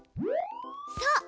そう。